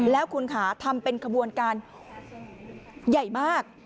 แล้วคุณค่ะทำเป็นขบวนการใหญ่มาก